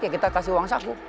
ya kita kasih uang saku